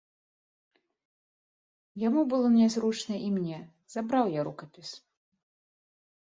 Яму было нязручна і мне, забраў я рукапіс.